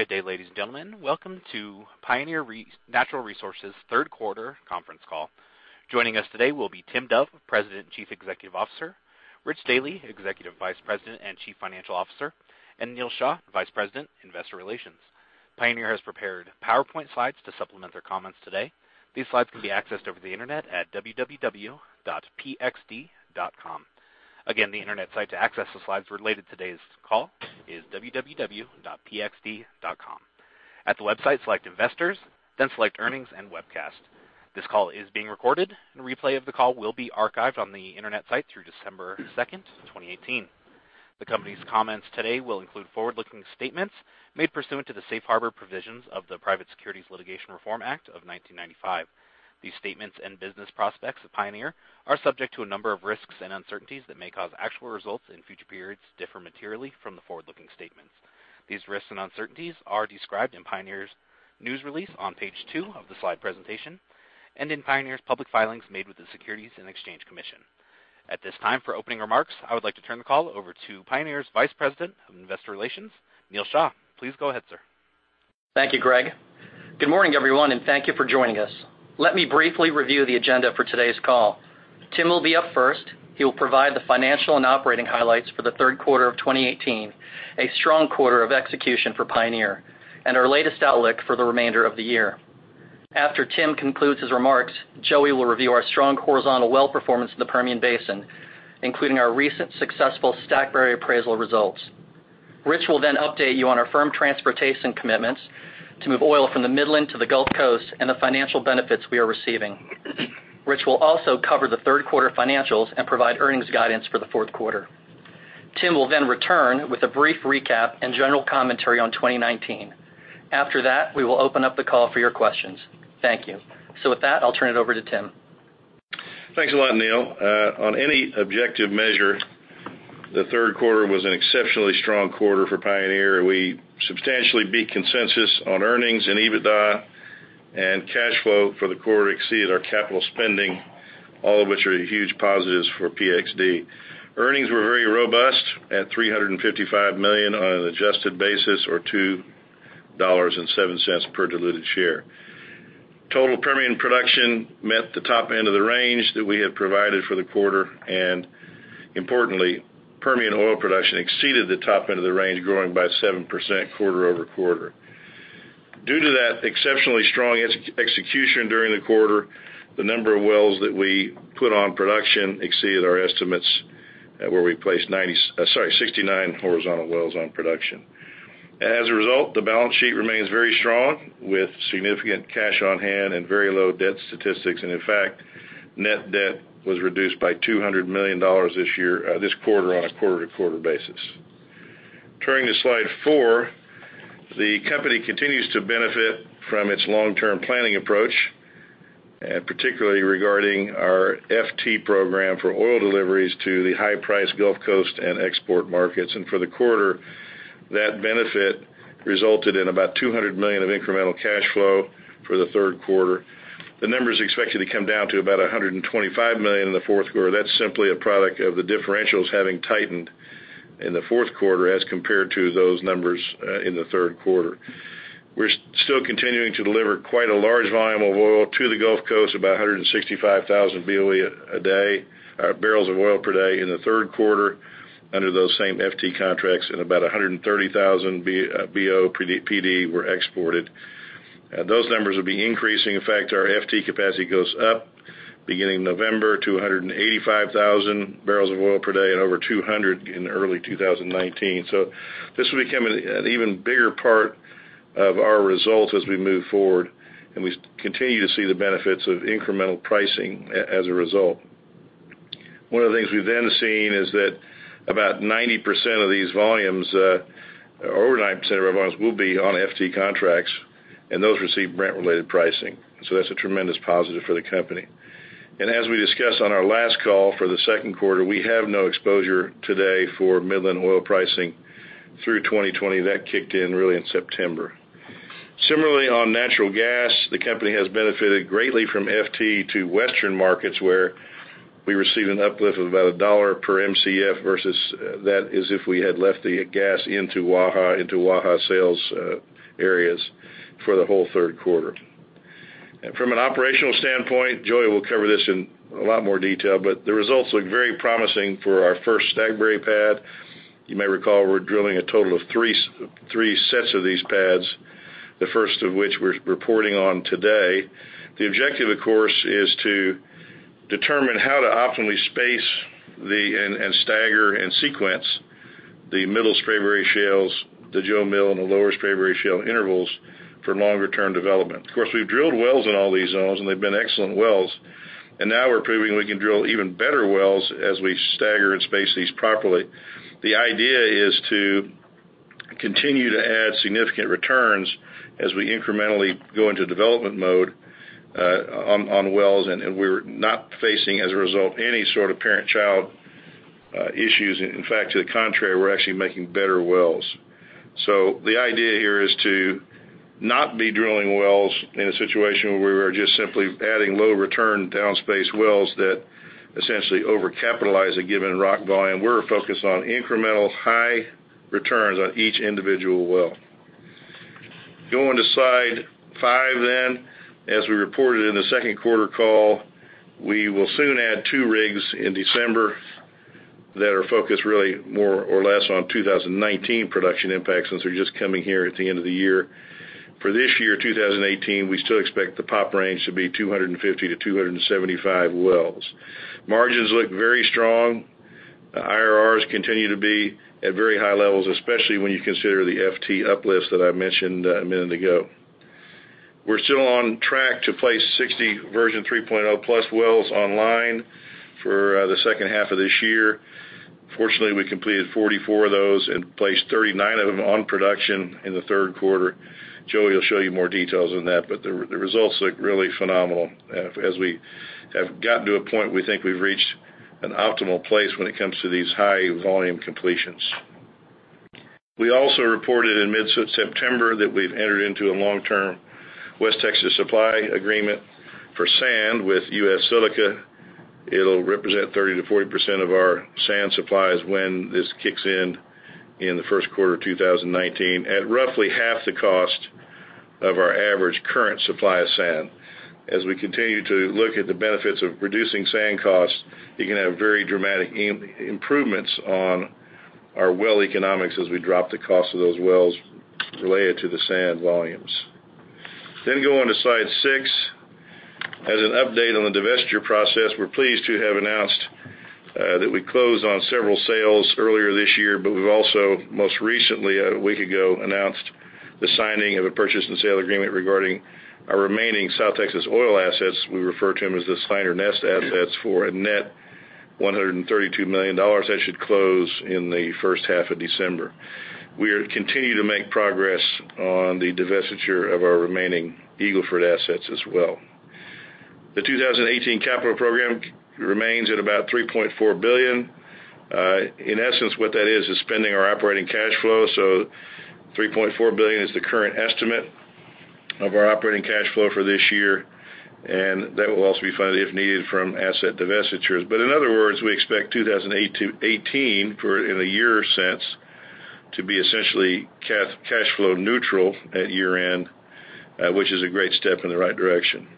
Good day, ladies and gentlemen. Welcome to Pioneer Natural Resources' third quarter conference call. Joining us today will be Tim Dove, President and Chief Executive Officer, Rich Dealy, Executive Vice President and Chief Financial Officer, and Neal Shah, Vice President, Investor Relations. Pioneer has prepared PowerPoint slides to supplement their comments today. These slides can be accessed over the internet at www.pxd.com. Again, the internet site to access the slides related to today's call is www.pxd.com. At the website, select Investors, then select Earnings and Webcast. This call is being recorded. A replay of the call will be archived on the internet site through December second, 2018. The company's comments today will include forward-looking statements made pursuant to the safe harbor provisions of the Private Securities Litigation Reform Act of 1995. These statements and business prospects of Pioneer are subject to a number of risks and uncertainties that may cause actual results in future periods to differ materially from the forward-looking statements. These risks and uncertainties are described in Pioneer's news release on page two of the slide presentation and in Pioneer's public filings made with the Securities and Exchange Commission. At this time, for opening remarks, I would like to turn the call over to Pioneer's Vice President of Investor Relations, Neal Shah. Please go ahead, sir. Thank you, Greg. Good morning, everyone, thank you for joining us. Let me briefly review the agenda for today's call. Tim will be up first. He will provide the financial and operating highlights for the third quarter of 2018, a strong quarter of execution for Pioneer, and our latest outlook for the remainder of the year. After Tim concludes his remarks, Joey will review our strong horizontal well performance in the Permian Basin, including our recent successful Stackberry appraisal results. Rich will then update you on our firm transportation commitments to move oil from the Midland to the Gulf Coast and the financial benefits we are receiving. Rich will also cover the third quarter financials and provide earnings guidance for the fourth quarter. Tim will then return with a brief recap and general commentary on 2019. After that, we will open up the call for your questions. Thank you. With that, I'll turn it over to Tim. Thanks a lot, Neal. On any objective measure, the third quarter was an exceptionally strong quarter for Pioneer. We substantially beat consensus on earnings and EBITDA, and cash flow for the quarter exceeded our capital spending, all of which are huge positives for PXD. Earnings were very robust at $355 million on an adjusted basis, or $2.07 per diluted share. Total Permian production met the top end of the range that we had provided for the quarter, and importantly, Permian oil production exceeded the top end of the range, growing by 7% quarter-over-quarter. Due to that exceptionally strong execution during the quarter, the number of wells that we put on production exceeded our estimates, where we placed 69 horizontal wells on production. As a result, the balance sheet remains very strong, with significant cash on hand and very low debt statistics, and in fact, net debt was reduced by $200 million this quarter on a quarter-to-quarter basis. Turning to Slide 4, the company continues to benefit from its long-term planning approach, particularly regarding our FT program for oil deliveries to the high-price Gulf Coast and export markets. For the quarter, that benefit resulted in about $200 million of incremental cash flow for the third quarter. The number is expected to come down to about $125 million in the fourth quarter. That's simply a product of the differentials having tightened in the fourth quarter as compared to those numbers in the third quarter. We're still continuing to deliver quite a large volume of oil to the Gulf Coast, about 165,000 barrels of oil per day in the third quarter under those same FT contracts, and about 130,000 BOPD were exported. Those numbers will be increasing. In fact, our FT capacity goes up beginning November to 185,000 barrels of oil per day and over 200 in early 2019. This will become an even bigger part of our results as we move forward, and we continue to see the benefits of incremental pricing as a result. One of the things we've then seen is that about 90% of these volumes, or over 90% of our volumes, will be on FT contracts, and those receive Brent-related pricing. That's a tremendous positive for the company. As we discussed on our last call for the second quarter, we have no exposure today for Midland oil pricing through 2020. That kicked in really in September. Similarly, on natural gas, the company has benefited greatly from FT to Western markets, where we received an uplift of about $1 per Mcf versus that as if we had left the gas into Waha sales areas for the whole third quarter. From an operational standpoint, Joey will cover this in a lot more detail, but the results look very promising for our first Stackberry pad. You may recall we're drilling a total of three sets of these pads, the first of which we're reporting on today. The objective, of course, is to determine how to optimally space and stagger and sequence the Middle Spraberry shales, the Jo Mill, and the Lower Spraberry shale intervals for longer-term development. Of course, we've drilled wells in all these zones, and they've been excellent wells, and now we're proving we can drill even better wells as we stagger and space these properly. The idea is to continue to add significant returns as we incrementally go into development mode on wells, and we're not facing, as a result, any sort of parent-child issues. In fact, to the contrary, we're actually making better wells. The idea here is to not be drilling wells in a situation where we're just simply adding low return down space wells that essentially over-capitalize a given rock volume. We're focused on incremental high returns on each individual well. Going to slide five. As we reported in the second quarter call, we will soon add two rigs in December that are focused really more or less on 2019 production impacts, since they're just coming here at the end of the year. For this year, 2018, we still expect the POP range to be 250-275 wells. Margins look very strong. IRRs continue to be at very high levels, especially when you consider the FT uplifts that I mentioned a minute ago. We're still on track to place 60 Version 3.0 plus wells online for the second half of this year. Fortunately, we completed 44 of those and placed 39 of them on production in the third quarter. Joey will show you more details on that, the results look really phenomenal. As we have gotten to a point, we think we've reached an optimal place when it comes to these high volume completions. We also reported in mid-September that we've entered into a long-term West Texas supply agreement for sand with U.S. Silica. It'll represent 30%-40% of our sand supplies when this kicks in the first quarter of 2019, at roughly half the cost of our average current supply of sand. As we continue to look at the benefits of reducing sand costs, you can have very dramatic improvements on our well economics as we drop the cost of those wells related to the sand volumes. Going to slide six. As an update on the divestiture process, we're pleased to have announced that we closed on several sales earlier this year, we've also most recently, a week ago, announced the signing of a purchase and sale agreement regarding our remaining South Texas oil assets, we refer to them as the Sinor Nest assets, for a net $132 million. That should close in the first half of December. We continue to make progress on the divestiture of our remaining Eagle Ford assets as well. The 2018 capital program remains at about $3.4 billion. In essence, what that is spending our operating cash flow. $3.4 billion is the current estimate of our operating cash flow for this year, that will also be funded, if needed, from asset divestitures. In other words, we expect 2018, in a year sense, to be essentially cash flow neutral at year-end, which is a great step in the right direction.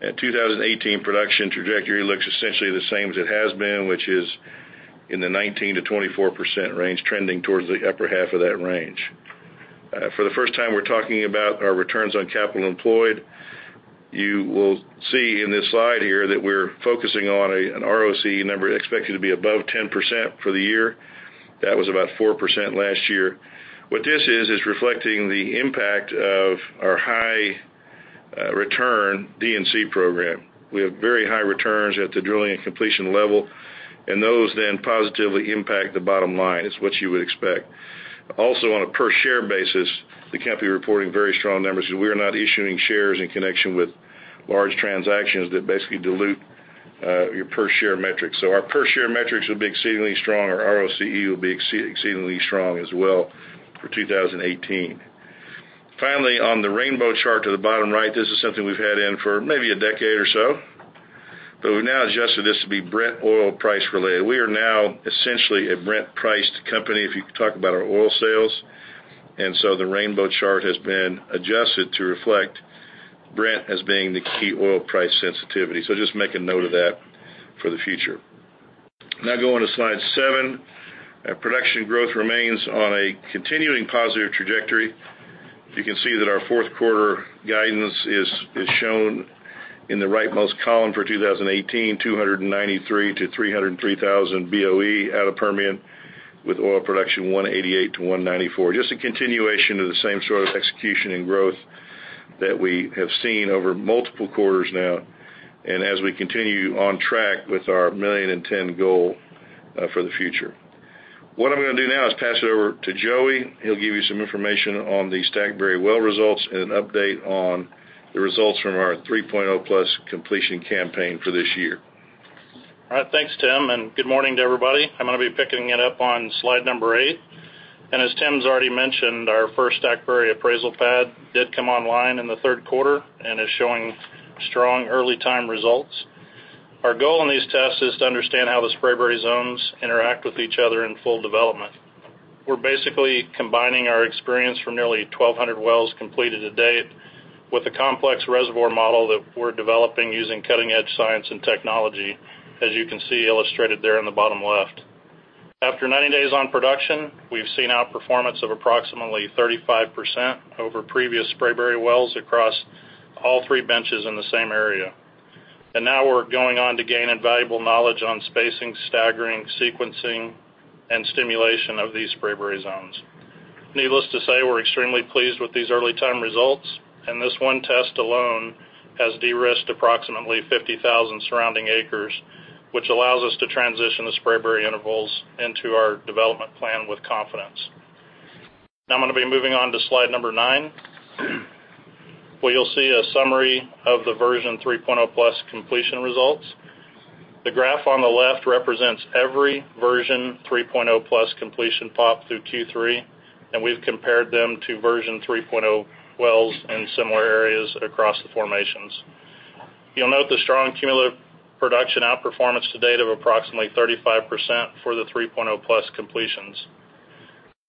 2018 production trajectory looks essentially the same as it has been, which is in the 19%-24% range, trending towards the upper half of that range. For the first time, we're talking about our returns on capital employed. You will see in this slide here that we're focusing on an ROC number expected to be above 10% for the year. That was about 4% last year. What this is reflecting the impact of our high return D&C program. We have very high returns at the drilling and completion level, and those then positively impact the bottom line. It's what you would expect. Also, on a per share basis, the company reporting very strong numbers because we are not issuing shares in connection with large transactions that basically dilute your per share metrics. Our per share metrics will be exceedingly strong. Our ROCE will be exceedingly strong as well for 2018. Finally, on the rainbow chart to the bottom right, this is something we've had in for maybe a decade or so. We've now adjusted this to be Brent oil price related. We are now essentially a Brent priced company if you talk about our oil sales. The rainbow chart has been adjusted to reflect Brent as being the key oil price sensitivity. Just make a note of that for the future. Now, going to slide seven. Our production growth remains on a continuing positive trajectory. You can see that our fourth quarter guidance is shown in the right-most column for 2018, 293,000-303,000 BOE out of Permian, with oil production 188 to 194. Just a continuation of the same sort of execution and growth that we have seen over multiple quarters now, and as we continue on track with our 1.1 million goal for the future. What I'm going to do now is pass it over to Joey. He'll give you some information on the Stackberry well results and an update on the results from our 3.0 plus completion campaign for this year. All right. Thanks, Tim, and good morning to everybody. I'm going to be picking it up on slide number eight. As Tim's already mentioned, our first Stackberry appraisal pad did come online in the third quarter and is showing strong early time results. Our goal in these tests is to understand how the Spraberry zones interact with each other in full development. We're basically combining our experience from nearly 1,200 wells completed to date with a complex reservoir model that we're developing using cutting-edge science and technology, as you can see illustrated there on the bottom left. After 90 days on production, we've seen outperformance of approximately 35% over previous Spraberry wells across all three benches in the same area. Now we're going on to gain invaluable knowledge on spacing, staggering, sequencing, and stimulation of these Spraberry zones. Needless to say, we're extremely pleased with these early time results. This one test alone has de-risked approximately 50,000 surrounding acres, which allows us to transition the Spraberry intervals into our development plan with confidence. Now I'm going to be moving on to slide nine. Well, you'll see a summary of the Version 3.0+ completion results. The graph on the left represents every Version 3.0+ completion POP through Q3. We've compared them to Version 3.0 wells in similar areas across the formations. You'll note the strong cumulative production outperformance to date of approximately 35% for the Version 3.0+ completions.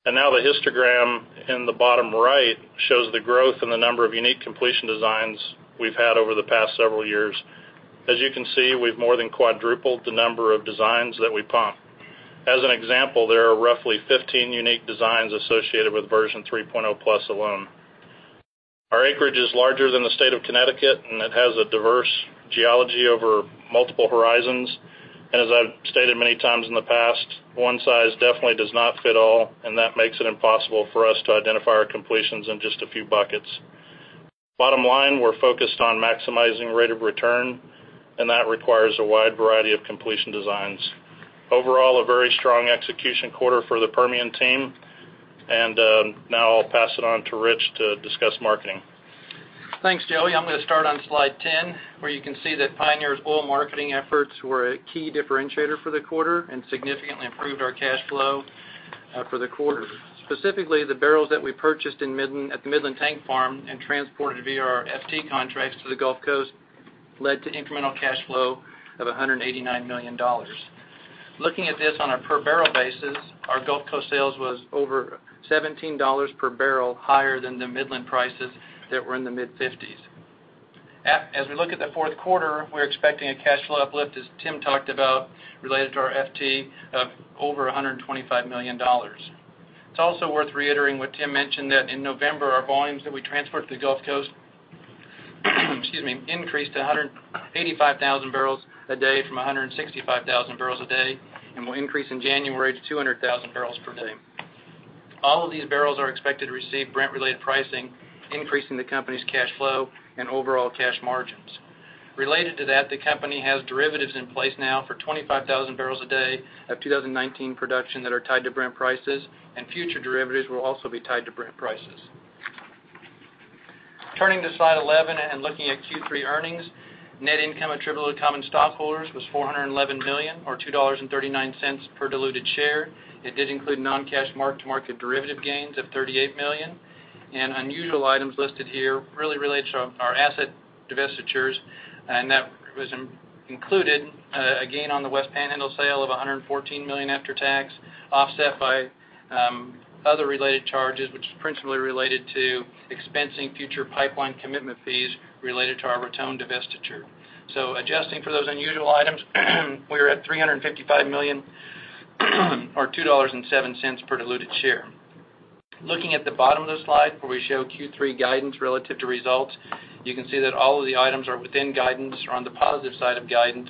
Now the histogram in the bottom right shows the growth in the number of unique completion designs we've had over the past several years. As you can see, we've more than quadrupled the number of designs that we pump. As an example, there are roughly 15 unique designs associated with Version 3.0+ alone. Our acreage is larger than the state of Connecticut. It has a diverse geology over multiple horizons. As I've stated many times in the past, one size definitely does not fit all. That makes it impossible for us to identify our completions in just a few buckets. Bottom line, we're focused on maximizing rate of return. That requires a wide variety of completion designs. Overall, a very strong execution quarter for the Permian team. Now I'll pass it on to Rich to discuss marketing. Thanks, Joey. I'm going to start on slide 10, where you can see that Pioneer's oil marketing efforts were a key differentiator for the quarter and significantly improved our cash flow for the quarter. Specifically, the barrels that we purchased at the Midland Tank Farm and transported via our FT contracts to the Gulf Coast led to incremental cash flow of $189 million. Looking at this on a per-barrel basis, our Gulf Coast sales was over $17 per barrel higher than the Midland prices that were in the mid-50s. As we look at the fourth quarter, we're expecting a cash flow uplift, as Tim talked about, related to our FT of over $125 million. It's also worth reiterating what Tim mentioned that in November, our volumes that we transported to the Gulf Coast increased to 185,000 barrels a day from 165,000 barrels a day. Will increase in January to 200,000 barrels per day. All of these barrels are expected to receive Brent-related pricing, increasing the company's cash flow and overall cash margins. Related to that, the company has derivatives in place now for 25,000 barrels a day of 2019 production that are tied to Brent prices. Future derivatives will also be tied to Brent prices. Turning to slide 11 and looking at Q3 earnings, net income attributable to common stockholders was $411 million, or $2.39 per diluted share. It did include non-cash mark-to-market derivative gains of $38 million. Unusual items listed here really relates to our asset divestitures, and that included a gain on the West Panhandle sale of $114 million after tax, offset by other related charges, which is principally related to expensing future pipeline commitment fees related to our Raton divestiture. Adjusting for those unusual items, we are at $355 million or $2.07 per diluted share. Looking at the bottom of the slide, where we show Q3 guidance relative to results, you can see that all of the items are within guidance or on the positive side of guidance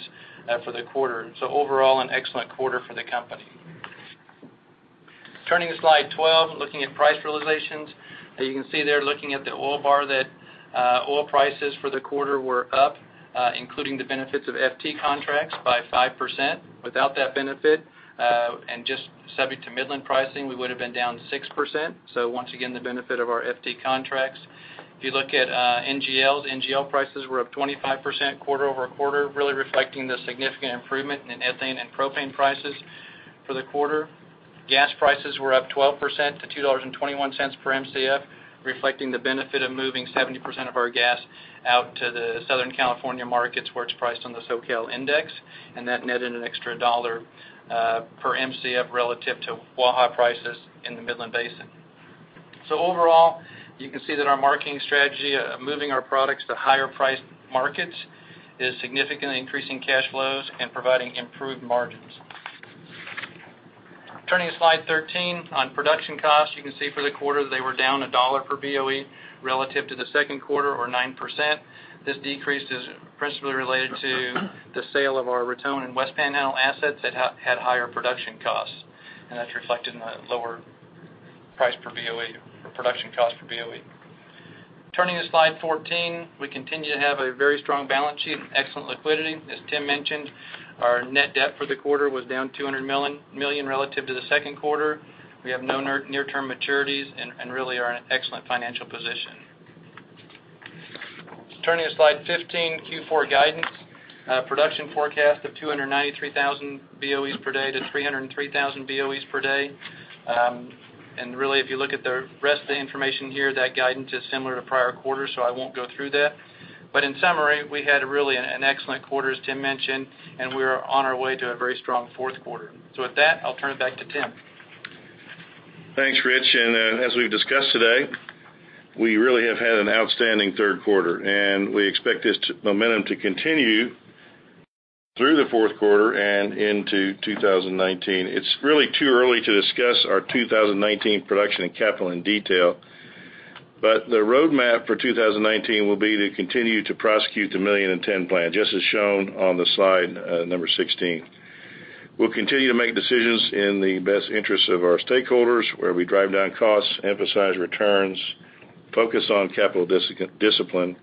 for the quarter. Overall, an excellent quarter for the company. Turning to slide 12, looking at price realizations, you can see there looking at the oil bar that oil prices for the quarter were up, including the benefits of FT contracts by 5%. Without that benefit, and just subject to Midland pricing, we would have been down 6%. Once again, the benefit of our FT contracts. If you look at NGLs, NGL prices were up 25% quarter-over-quarter, really reflecting the significant improvement in ethane and propane prices for the quarter. Gas prices were up 12% to $2.21 per Mcf, reflecting the benefit of moving 70% of our gas out to the Southern California markets, where it's priced on the SoCal index, and that netted an extra $1 per Mcf relative to Waha prices in the Midland Basin. Overall, you can see that our marketing strategy of moving our products to higher-priced markets is significantly increasing cash flows and providing improved margins. Turning to slide 13 on production costs, you can see for the quarter, they were down $1 per BOE relative to the second quarter or 9%. This decrease is principally related to the sale of our Raton and West Panhandle assets that had higher production costs, and that's reflected in the lower price per BOE or production cost per BOE. Turning to slide 14, we continue to have a very strong balance sheet and excellent liquidity. As Tim mentioned, our net debt for the quarter was down $200 million relative to the second quarter. We have no near-term maturities and really are in an excellent financial position. Turning to slide 15, Q4 guidance. Production forecast of 293,000 BOEs per day to 303,000 BOEs per day. Really, if you look at the rest of the information here, that guidance is similar to prior quarters, I won't go through that. In summary, we had really an excellent quarter, as Tim mentioned, and we are on our way to a very strong fourth quarter. With that, I'll turn it back to Tim. Thanks, Rich. As we've discussed today, we really have had an outstanding third quarter, and we expect this momentum to continue through the fourth quarter and into 2019. It's really too early to discuss our 2019 production and capital in detail, but the roadmap for 2019 will be to continue to prosecute the Million-10 Plan, just as shown on slide number 16. We'll continue to make decisions in the best interests of our stakeholders, where we drive down costs, emphasize returns, focus on capital discipline,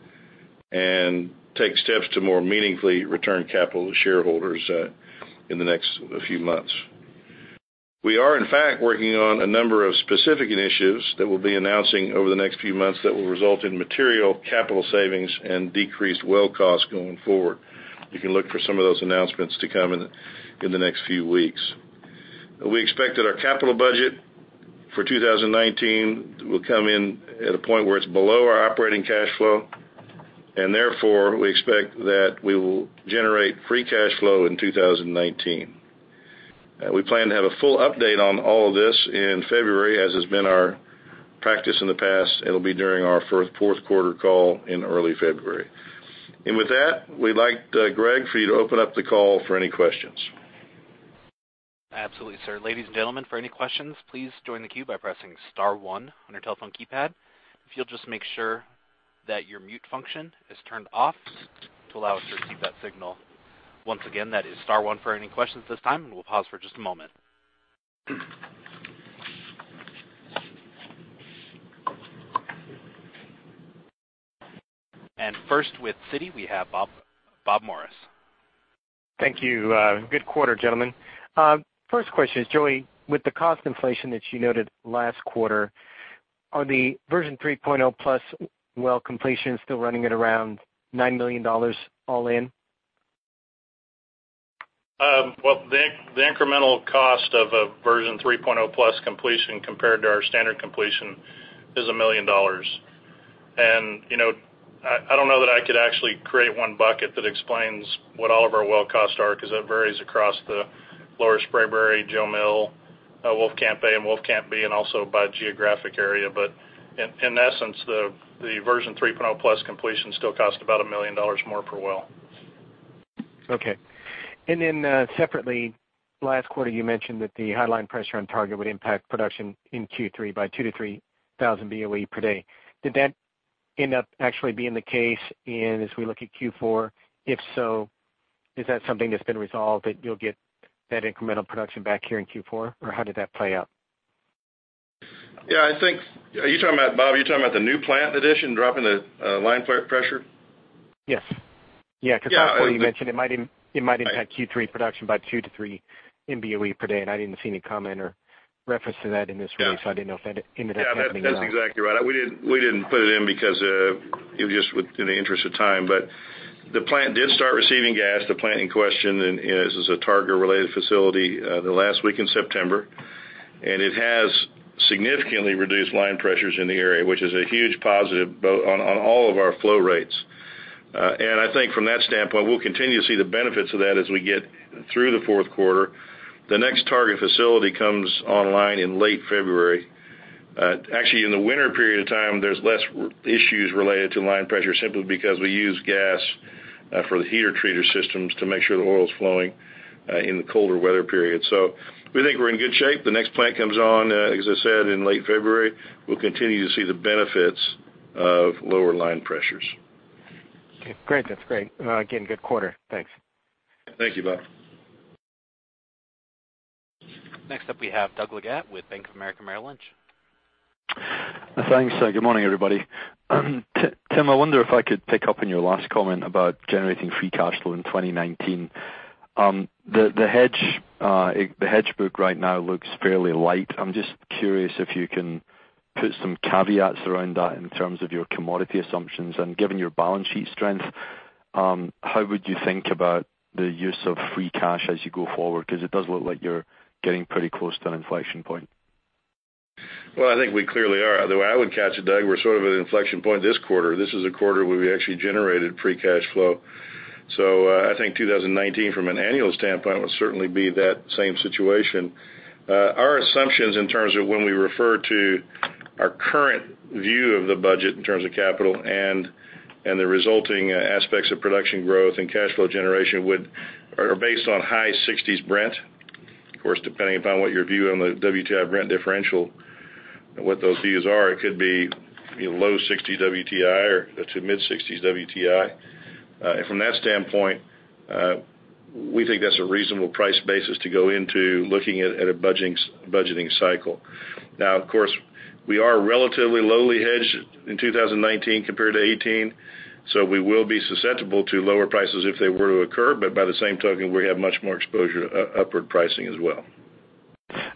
and take steps to more meaningfully return capital to shareholders in the next few months We are in fact working on a number of specific initiatives that we'll be announcing over the next few months that will result in material capital savings and decreased well costs going forward. You can look for some of those announcements to come in the next few weeks. We expect that our capital budget for 2019 will come in at a point where it's below our operating cash flow, and therefore, we expect that we will generate free cash flow in 2019. We plan to have a full update on all of this in February, as has been our practice in the past. It'll be during our fourth quarter call in early February. With that, we'd like, Greg, for you to open up the call for any questions. Absolutely, sir. Ladies and gentlemen, for any questions, please join the queue by pressing star one on your telephone keypad. If you'll just make sure that your mute function is turned off to allow us to receive that signal. Once again, that is star one for any questions at this time, and we'll pause for just a moment. First with Citi, we have Bob Morris. Thank you. Good quarter, gentlemen. First question is, Joey, with the cost inflation that you noted last quarter, are the Version 3.0+ well completions still running at around $9 million all in? Well, the incremental cost of a Version 3.0+ completion compared to our standard completion is $1 million. I don't know that I could actually create one bucket that explains what all of our well costs are, because that varies across the Lower Spraberry, Jo Mill, Wolfcamp A, and Wolfcamp B, and also by geographic area. In essence, the Version 3.0+ completion still costs about $1 million more per well. Okay. Separately, last quarter you mentioned that the high line pressure on Targa would impact production in Q3 by 2,000-3,000 BOE per day. Did that end up actually being the case as we look at Q4? If so, is that something that's been resolved, that you'll get that incremental production back here in Q4? How did that play out? Yeah. Bob, are you talking about the new plant addition dropping the line pressure? Yes. Yeah. Last quarter you mentioned it might impact Q3 production by 2-3 MBOE per day. I didn't see any comment or reference to that in this release, I didn't know if that ended up happening at all. Yeah, that's exactly right. We didn't put it in because it just in the interest of time, but the plant did start receiving gas. The plant in question is a Targa-related facility the last week in September, and it has significantly reduced line pressures in the area, which is a huge positive on all of our flow rates. I think from that standpoint, we'll continue to see the benefits of that as we get through the fourth quarter. The next Targa facility comes online in late February. Actually, in the winter period of time, there's less issues related to line pressure simply because we use gas for the heater treater systems to make sure the oil's flowing in the colder weather periods. We think we're in good shape. The next plant comes on, as I said, in late February. We'll continue to see the benefits of lower line pressures. Okay, great. That's great. Again, good quarter. Thanks. Thank you, Bob. Next up, we have Doug Leggate with Bank of America Merrill Lynch. Thanks. Good morning, everybody. Tim, I wonder if I could pick up on your last comment about generating free cash flow in 2019. The hedge book right now looks fairly light. I'm just curious if you can put some caveats around that in terms of your commodity assumptions. Given your balance sheet strength, how would you think about the use of free cash as you go forward? Because it does look like you're getting pretty close to an inflection point. Well, I think we clearly are. The way I would catch it, Doug, we're sort of at an inflection point this quarter. This is a quarter where we actually generated free cash flow. I think 2019, from an annual standpoint, will certainly be that same situation. Our assumptions in terms of when we refer to our current view of the budget in terms of capital and the resulting aspects of production growth and cash flow generation are based on high 60s Brent. Of course, depending upon what your view on the WTI/Brent differential and what those views are, it could be low 60s WTI or to mid-60s WTI. From that standpoint, we think that's a reasonable price basis to go into looking at a budgeting cycle. Now, of course, we are relatively lowly hedged in 2019 compared to 2018, we will be susceptible to lower prices if they were to occur. By the same token, we have much more exposure upward pricing as well.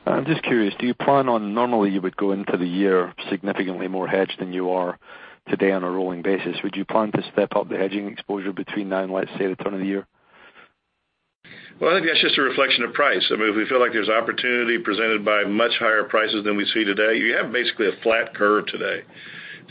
I'm just curious, do you plan on, normally you would go into the year significantly more hedged than you are today on a rolling basis. Would you plan to step up the hedging exposure between now and, let's say, the turn of the year? I think that's just a reflection of price. If we feel like there's opportunity presented by much higher prices than we see today, we have basically a flat curve today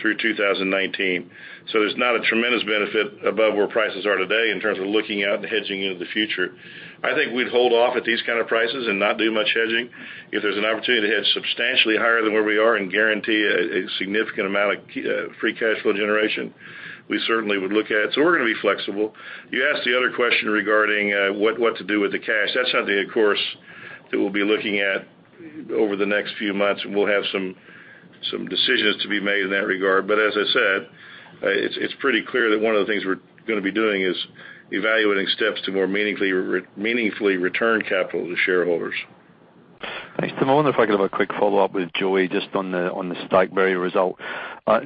through 2019. There's not a tremendous benefit above where prices are today in terms of looking out and hedging into the future. I think we'd hold off at these kind of prices and not do much hedging. If there's an opportunity to hedge substantially higher than where we are and guarantee a significant amount of free cash flow generation, we certainly would look at it. We're going to be flexible. You asked the other question regarding what to do with the cash. That's something, of course, that we'll be looking at over the next few months, and we'll have some decisions to be made in that regard. As I said, it's pretty clear that one of the things we're going to be doing is evaluating steps to more meaningfully return capital to shareholders. Thanks, Tim. I wonder if I could have a quick follow-up with Joey just on the Spraberry result.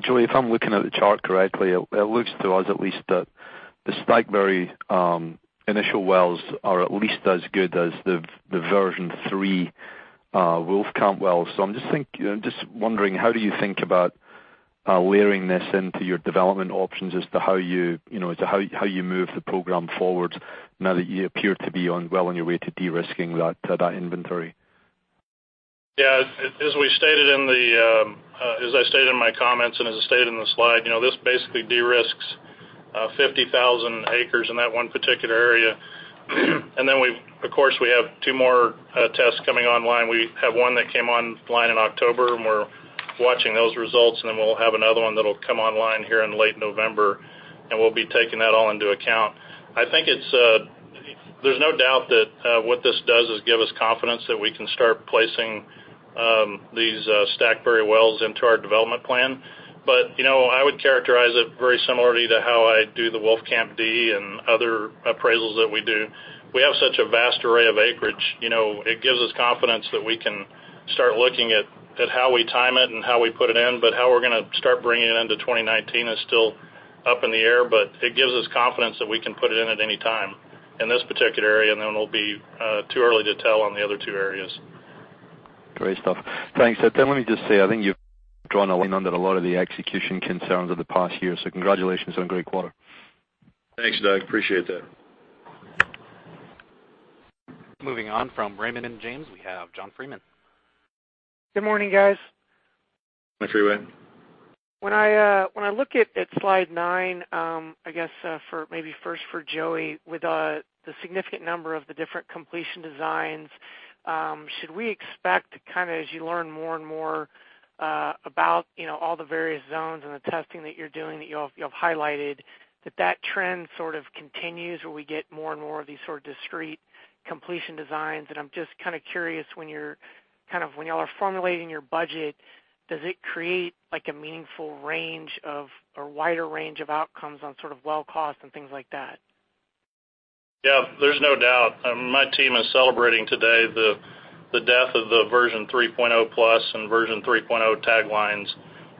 Joey, if I'm looking at the chart correctly, it looks to us at least that the Stackberry initial wells are at least as good as the version three Wolfcamp well. I'm just wondering, how do you think about layering this into your development options as to how you move the program forward now that you appear to be well on your way to de-risking that inventory? Yeah. As I stated in my comments and as I stated in the slide, this basically de-risks 50,000 acres in that one particular area. Then of course, we have two more tests coming online. We have one that came online in October, and we're watching those results, and then we'll have another one that'll come online here in late November, and we'll be taking that all into account. There's no doubt that what this does is give us confidence that we can start placing these Stackberry wells into our development plan. I would characterize it very similarly to how I do the Wolfcamp D and other appraisals that we do. We have such a vast array of acreage. It gives us confidence that we can start looking at how we time it and how we put it in, but how we're going to start bringing it into 2019 is still up in the air. It gives us confidence that we can put it in at any time in this particular area, and then it'll be too early to tell on the other two areas. Great stuff. Thanks. Let me just say, I think you've drawn a line under a lot of the execution concerns of the past year, congratulations on a great quarter. Thanks, Doug. Appreciate that. Moving on from Raymond James, we have John Freeman. Good morning, guys. Hi, Freeman. When I look at slide nine, I guess maybe first for Joey, with the significant number of the different completion designs, should we expect as you learn more and more about all the various zones and the testing that you're doing that you have highlighted, that that trend sort of continues where we get more and more of these sort of discrete completion designs? I'm just curious when you all are formulating your budget, does it create a meaningful range of, or wider range of outcomes on well cost and things like that? Yeah. There's no doubt. My team is celebrating today the death of the Version 3.0+ and Version 3.0 taglines,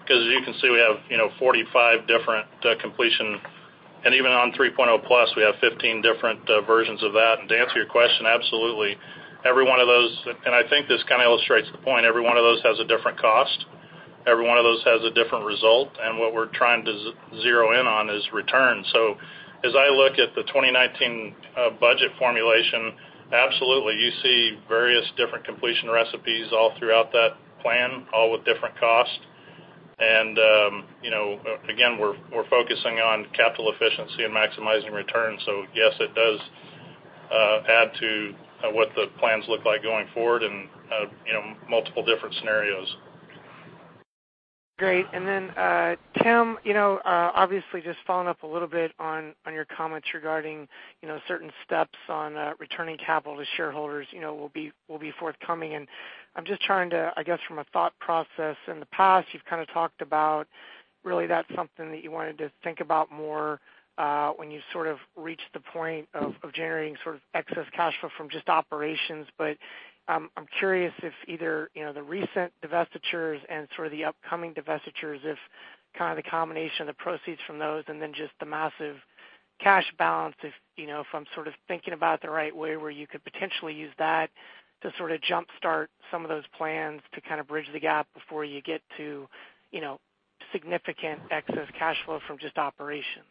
because as you can see, we have 45 different completion, even on 3.0+, we have 15 different versions of that. To answer your question, absolutely. I think this kind of illustrates the point. Every one of those has a different cost. Every one of those has a different result. What we're trying to zero in on is return. As I look at the 2019 budget formulation, absolutely, you see various different completion recipes all throughout that plan, all with different cost. Again, we're focusing on capital efficiency and maximizing return. Yes, it does add to what the plans look like going forward and multiple different scenarios. Great. Tim, obviously just following up a little bit on your comments regarding certain steps on returning capital to shareholders will be forthcoming. I'm just trying to, I guess, from a thought process, in the past, you've talked about really that's something that you wanted to think about more when you reached the point of generating excess cash flow from just operations. I'm curious if either the recent divestitures and the upcoming divestitures, if the combination of the proceeds from those and then just the massive cash balance, if I'm thinking about it the right way, where you could potentially use that to jumpstart some of those plans to bridge the gap before you get to significant excess cash flow from just operations.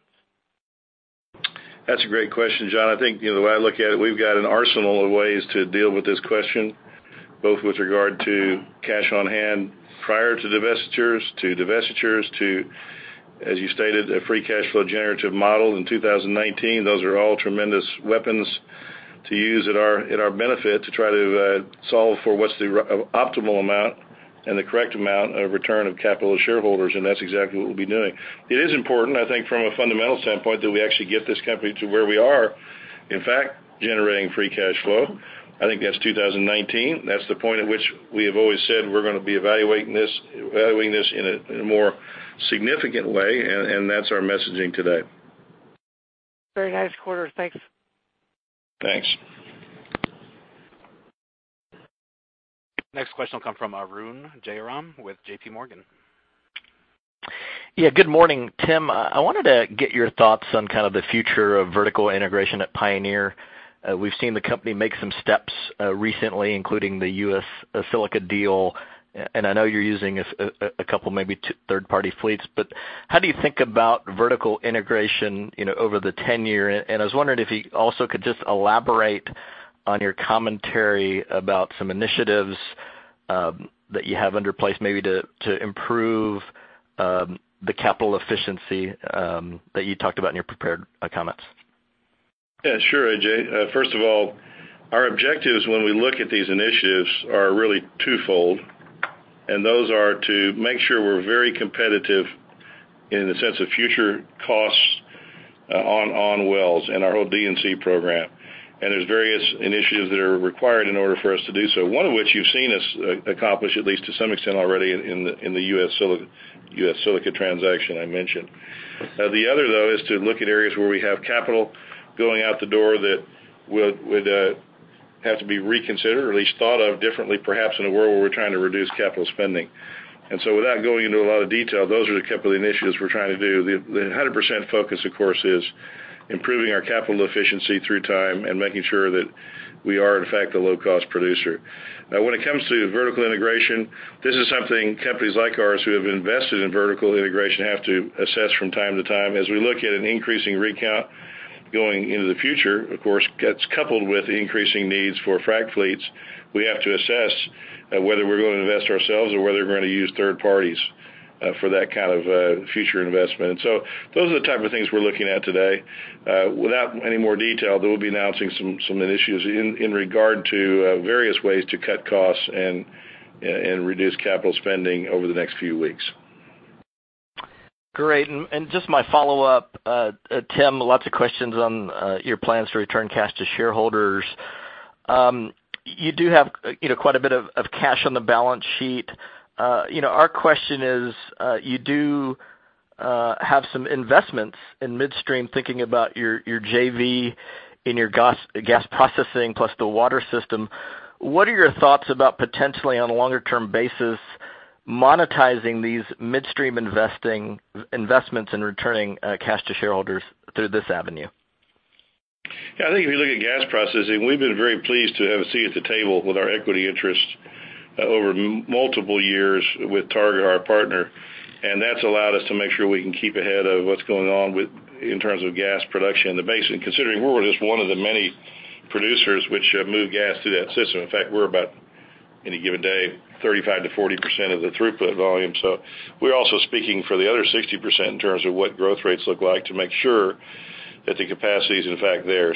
That's a great question, John. I think the way I look at it, we've got an arsenal of ways to deal with this question, both with regard to cash on hand prior to divestitures, to divestitures, to, as you stated, a free cash flow generative model in 2019. Those are all tremendous weapons to use at our benefit to try to solve for what's the optimal amount and the correct amount of return of capital to shareholders, that's exactly what we'll be doing. It is important, I think, from a fundamental standpoint, that we actually get this company to where we are, in fact, generating free cash flow. I think that's 2019. That's the point at which we have always said we're going to be evaluating this in a more significant way, that's our messaging today. Very nice quarter. Thanks. Thanks. Next question will come from Arun Jayaram with JPMorgan. Yeah. Good morning, Tim. I wanted to get your thoughts on the future of vertical integration at Pioneer. We've seen the company make some steps recently, including the U.S. Silica deal. I know you're using a couple, maybe third-party fleets, but how do you think about vertical integration over the 10-year? I was wondering if you also could just elaborate on your commentary about some initiatives that you have under place maybe to improve the capital efficiency that you talked about in your prepared comments. Yeah, sure, Arun. First of all, our objectives when we look at these initiatives are really twofold, and those are to make sure we're very competitive in the sense of future costs on wells and our whole D&C program. There's various initiatives that are required in order for us to do so. One of which you've seen us accomplish, at least to some extent already in the U.S. Silica transaction I mentioned. The other, though, is to look at areas where we have capital going out the door that would have to be reconsidered or at least thought of differently, perhaps in a world where we're trying to reduce capital spending. Without going into a lot of detail, those are a couple of the initiatives we're trying to do. The 100% focus, of course, is improving our capital efficiency through time and making sure that we are, in fact, a low-cost producer. When it comes to vertical integration, this is something companies like ours who have invested in vertical integration have to assess from time to time. As we look at an increasing rig count going into the future, of course, gets coupled with increasing needs for frac fleets, we have to assess whether we're going to invest ourselves or whether we're going to use third parties for that kind of future investment. Those are the type of things we're looking at today. Without any more detail, though we'll be announcing some initiatives in regard to various ways to cut costs and reduce capital spending over the next few weeks. Great. Just my follow-up, Tim, lots of questions on your plans to return cash to shareholders. You do have quite a bit of cash on the balance sheet. Our question is, you do have some investments in midstream, thinking about your JV in your gas processing plus the water system. What are your thoughts about potentially, on a longer-term basis, monetizing these midstream investments and returning cash to shareholders through this avenue? I think if you look at gas processing, we've been very pleased to have a seat at the table with our equity interest over multiple years with Targa, our partner. That's allowed us to make sure we can keep ahead of what's going on in terms of gas production in the basin, considering we're just one of the many producers which move gas through that system. In fact, we're about, any given day, 35%-40% of the throughput volume. We're also speaking for the other 60% in terms of what growth rates look like to make sure that the capacity is, in fact, there.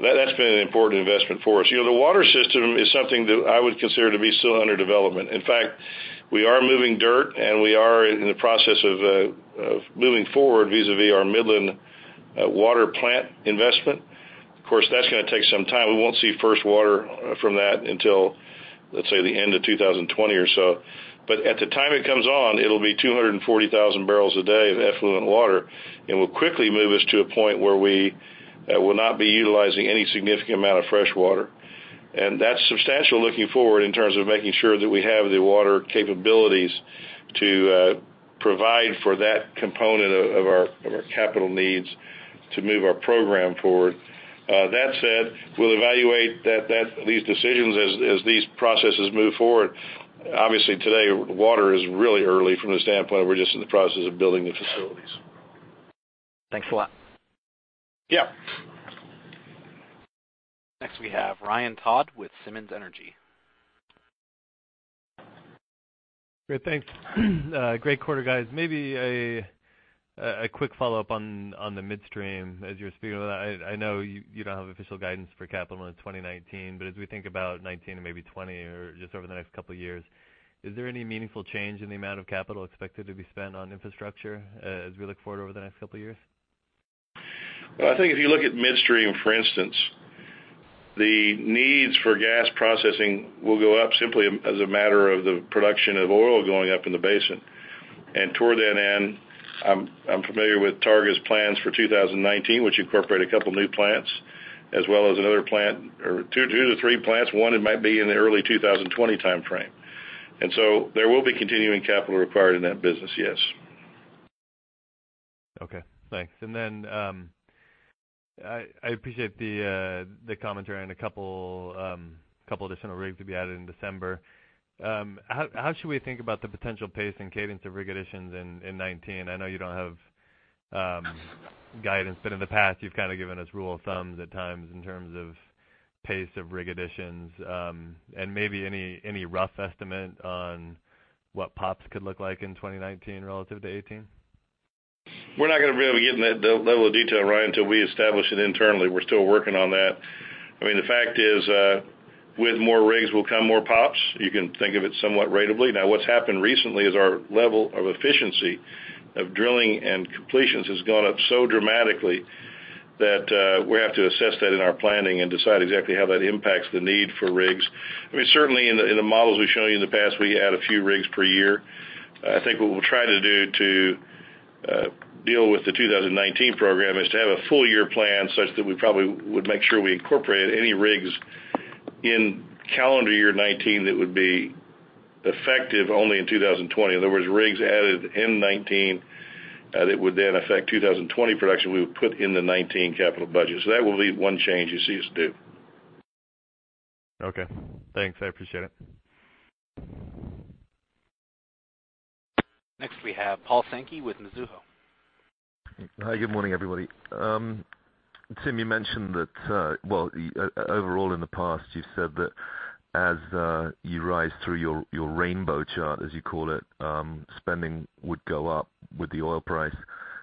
That's been an important investment for us. The water system is something that I would consider to be still under development. In fact, we are moving dirt, and we are in the process of moving forward vis-a-vis our Midland water plant investment. Of course, that's going to take some time. We won't see first water from that until, let's say, the end of 2020 or so. At the time it comes on, it'll be 240,000 barrels a day of effluent water, and will quickly move us to a point where we will not be utilizing any significant amount of fresh water. That's substantial looking forward in terms of making sure that we have the water capabilities to provide for that component of our capital needs to move our program forward. That said, we'll evaluate these decisions as these processes move forward. Obviously, today, water is really early from the standpoint of we're just in the process of building the facilities. Thanks a lot. Yeah. Next, we have Ryan Todd with Simmons Energy. Great. Thanks. Great quarter, guys. Maybe a quick follow-up on the midstream. As you were speaking about that, I know you don't have official guidance for capital in 2019, but as we think about 2019 or maybe 2020 or just over the next couple of years, is there any meaningful change in the amount of capital expected to be spent on infrastructure as we look forward over the next couple of years? Well, I think if you look at midstream, for instance, the needs for gas processing will go up simply as a matter of the production of oil going up in the basin. Toward that end, I'm familiar with Targa's plans for 2019, which incorporate a couple of new plants, as well as another plant or two to three plants. One, it might be in the early 2020 timeframe. There will be continuing capital required in that business, yes. Okay, thanks. I appreciate the commentary on a couple additional rigs to be added in December. How should we think about the potential pace and cadence of rig additions in 2019? I know you don't have guidance, but in the past, you've kind of given us rules of thumb at times in terms of pace of rig additions. Maybe any rough estimate on what POPs could look like in 2019 relative to 2018? We're not going to be able to get into that level of detail, Ryan, until we establish it internally. We're still working on that. I mean, the fact is, with more rigs will come more POPs. You can think of it somewhat ratably. Now, what's happened recently is our level of efficiency of drilling and completions has gone up so dramatically that we have to assess that in our planning and decide exactly how that impacts the need for rigs. I mean, certainly in the models we've shown you in the past, we add a few rigs per year. I think what we'll try to do to deal with the 2019 program is to have a full-year plan such that we probably would make sure we incorporated any rigs in calendar year 2019 that would be effective only in 2020. In other words, rigs added in 2019 that would then affect 2020 production, we would put in the 2019 capital budget. That will be one change you see us do. Okay. Thanks. I appreciate it. Next, we have Paul Sankey with Mizuho. Hi, good morning, everybody. Tim, you mentioned that, well, overall, in the past, you've said that as you rise through your rainbow chart, as you call it, spending would go up with the oil price.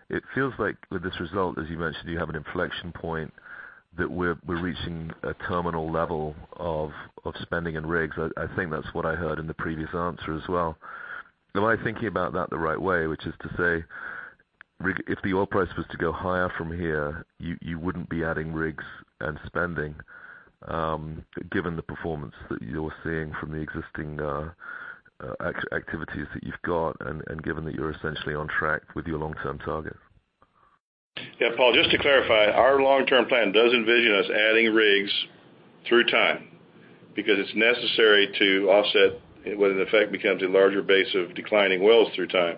It feels like with this result, as you mentioned, you have an inflection point that we're reaching a terminal level of spending in rigs. I think that's what I heard in the previous answer as well. Am I thinking about that the right way, which is to say, if the oil price was to go higher from here, you wouldn't be adding rigs and spending given the performance that you're seeing from the existing activities that you've got and given that you're essentially on track with your long-term target? Yeah, Paul, just to clarify, our long-term plan does envision us adding rigs through time because it's necessary to offset what in effect becomes a larger base of declining wells through time.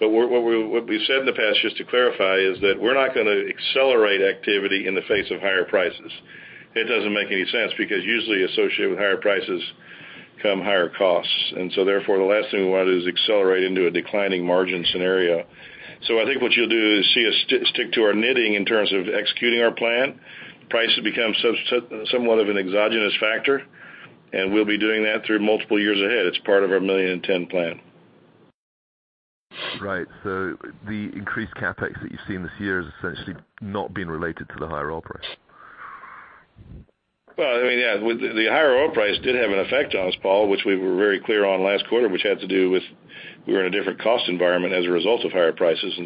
What we've said in the past, just to clarify, is that we're not going to accelerate activity in the face of higher prices. It doesn't make any sense because usually associated with higher prices come higher costs, therefore the last thing we want is to accelerate into a declining margin scenario. I think what you'll do is see us stick to our knitting in terms of executing our plan. Price has become somewhat of an exogenous factor, and we'll be doing that through multiple years ahead. It's part of our Million-10 Plan. Right. The increased CapEx that you've seen this year has essentially not been related to the higher oil price. Well, yeah. The higher oil price did have an effect on us, Paul, which we were very clear on last quarter, which had to do with we were in a different cost environment as a result of higher prices.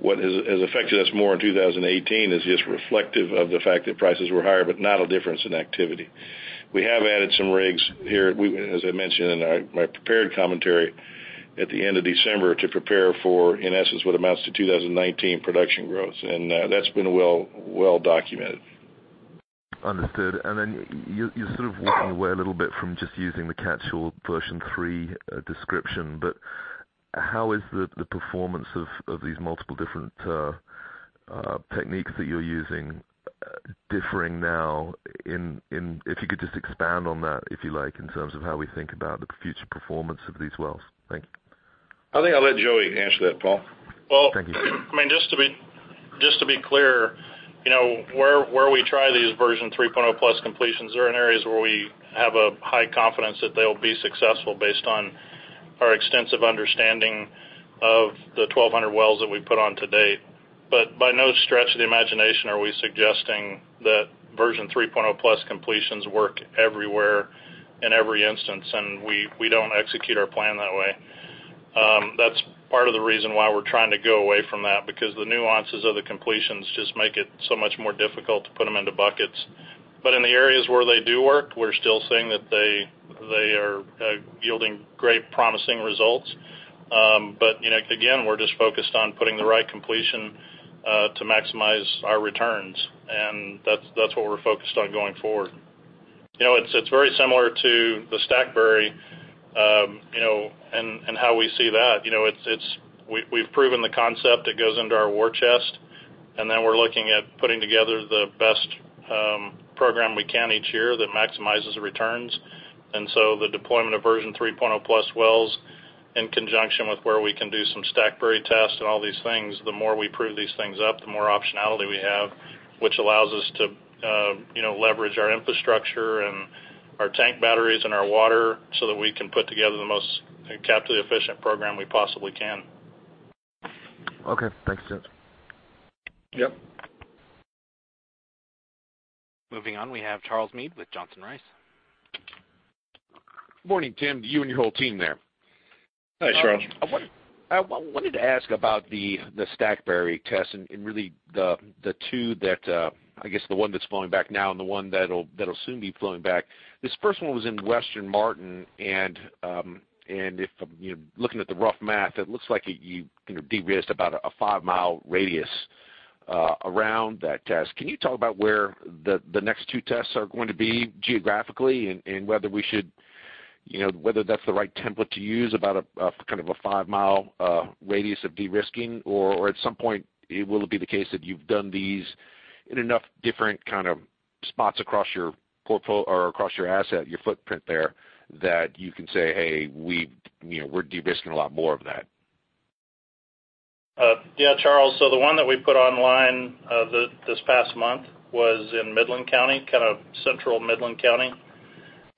What has affected us more in 2018 is just reflective of the fact that prices were higher, but not a difference in activity. We have added some rigs here, as I mentioned in my prepared commentary at the end of December to prepare for, in essence, what amounts to 2019 production growth. That's been well documented. Understood. You're sort of walking away a little bit from just using the catch-all Version 3.0 description, how is the performance of these multiple different techniques that you're using differing now? If you could just expand on that, if you like, in terms of how we think about the future performance of these wells. Thanks. I think I'll let Joey answer that, Paul. Thank you. Well, just to be clear, where we try these Version 3.0+ completions are in areas where we have a high confidence that they'll be successful based on our extensive understanding of the 1,200 wells that we've put on to date. By no stretch of the imagination are we suggesting that Version 3.0+ completions work everywhere in every instance, and we don't execute our plan that way. That's part of the reason why we're trying to go away from that, because the nuances of the completions just make it so much more difficult to put them into buckets. In the areas where they do work, we're still seeing that they are yielding great promising results. Again, we're just focused on putting the right completion to maximize our returns. That's what we're focused on going forward. It's very similar to the Stackberry, and how we see that. We've proven the concept that goes into our war chest, then we're looking at putting together the best program we can each year that maximizes returns. So the deployment of Version 3.0+ wells in conjunction with where we can do some Stackberry tests and all these things, the more we prove these things up, the more optionality we have, which allows us to leverage our infrastructure and our tank batteries and our water so that we can put together the most capitally efficient program we possibly can. Okay. Thanks, Joey. Yep. Moving on, we have Charles Meade with Johnson Rice. Morning, Tim, to you and your whole team there. Hi, Charles. I wanted to ask about the Stackberry test and really the two that, I guess the one that's flowing back now and the one that'll soon be flowing back. This first one was in western Martin, if I'm looking at the rough math, it looks like you de-risked about a 5-mile radius around that test. Can you talk about where the next two tests are going to be geographically and whether that's the right template to use about a 5-mile radius of de-risking? At some point, will it be the case that you've done these in enough different kind of spots across your asset, your footprint there, that you can say, "Hey, we're de-risking a lot more of that"? Yeah, Charles. The one that we put online this past month was in Midland County, kind of central Midland County.